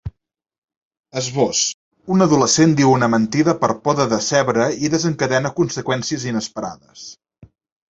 Esbós: Un adolescent diu una mentida per por de decebre i desencadena conseqüències inesperades.